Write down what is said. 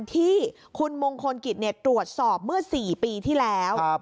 ที่คุณมงคลกิจตรวจสอบเมื่อ๔ปีที่แล้ว